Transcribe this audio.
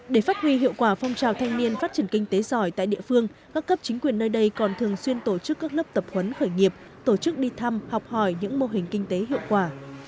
để phát huy hiệu quả phong trào thanh niên phát triển kinh tế giỏi tại địa phương các cấp chính quyền nơi đây còn thường xuyên tổ chức các lớp tập huấn khởi nghiệp tổ chức đi thăm học hỏi những mô hình kinh tế hiệu quả